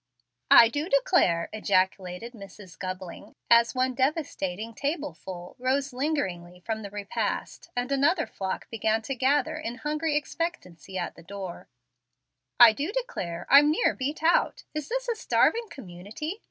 "I do declare," ejaculated Mrs. Gubling, as one devastating tableful rose lingeringly from the repast, and another flock began to gather in hungry expectancy at the door, "I do declare, I'm near beat out. Is this a starvin' community?